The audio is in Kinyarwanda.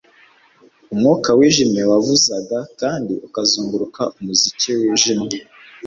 Umwuka wijimye wavuzaga kandi ukazunguruka umuziki wijimye